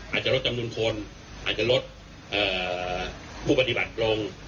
อาจจะลดจำนวนคนอาจจะลดผู้ปฏิบัติลง